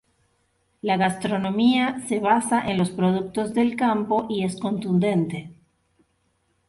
La gastronomía se basa en los productos del campo y es contundente.